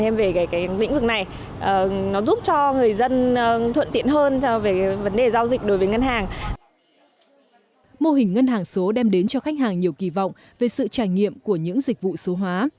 mô hình ngân hàng số đem đến cho khách hàng nhiều kỳ vọng về sự trải nghiệm của những dịch vụ số hóa